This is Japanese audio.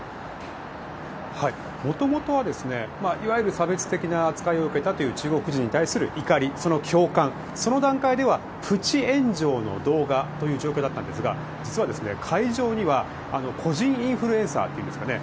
元々はいわゆる差別的な扱いを受けたという中国人に対する怒りその共感、その段階ではプチ炎上の動画という状況だったんですが実は会場には個人インフルエンサーというんですかね